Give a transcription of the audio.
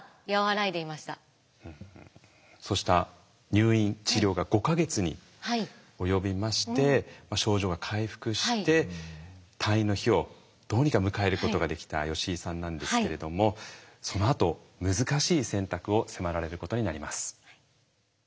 そうした入院治療が５か月に及びまして症状が回復して退院の日をどうにか迎えることができた吉井さんなんですけれどもそのあと難しい選択を迫られることになります。